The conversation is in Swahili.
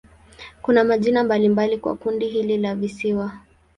Kuna majina mbalimbali kwa kundi hili la visiwa.